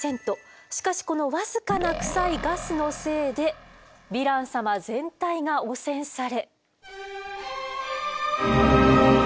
しかしこの僅かなクサいガスのせいでヴィラン様全体が汚染され。